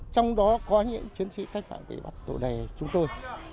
trong đó có những chiến sĩ cách mạng bị bắt tổ đề chúng tôi